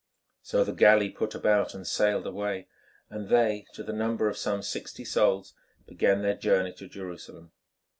So the galley put about and sailed away, and they, to the number of some sixty souls, began their journey to Jerusalem.